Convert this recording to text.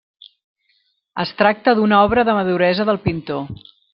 Es tracta d'una obra de maduresa del pintor.